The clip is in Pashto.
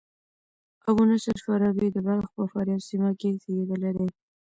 ابو نصر فارابي د بلخ په فاریاب سیمه کښي زېږېدلى دئ.